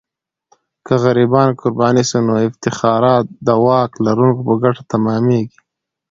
که غریبان قرباني سي، نو افتخارات د واک لرونکو په ګټه تمامیږي.